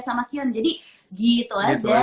sama kion jadi gitu aja